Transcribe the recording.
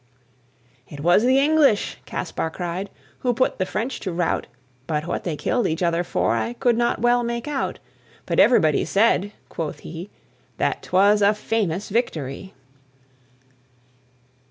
"It was the English," Kaspar cried, "Who put the French to rout; But what they killed each other for I could not well make out. But everybody said," quoth he, "That 'twas a famous victory!